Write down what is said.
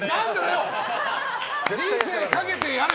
人生かけてやれ！